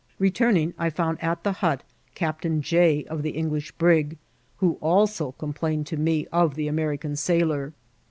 Betuming, I found at the hut Captain Jay, of the English brig, who also complained to me of the American sailor.